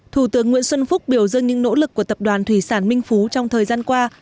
thủ tướng nguyễn xuân phúc biểu dân những nỗ lực của tập đoàn thủy sản minh phú trong thời gian qua